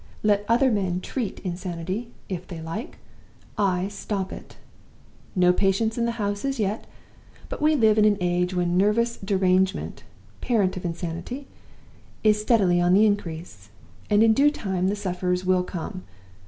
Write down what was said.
Let other men treat insanity, if they like I stop it! No patients in the house as yet. But we live in an age when nervous derangement (parent of insanity) is steadily on the increase; and in due time the sufferers will come.